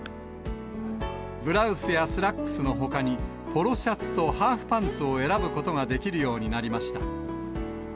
ブラウスやスラックスのほかに、ポロシャツとハーフパンツを選ぶことができるようになりました。